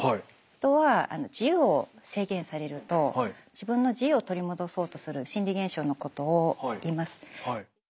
人は自由を制限されると自分の自由を取り戻そうとする心理現象のことをいいます。